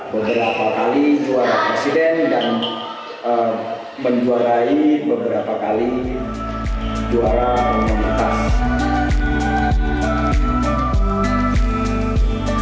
beberapa kali juara presiden dan menjuarai beberapa kali juara pertama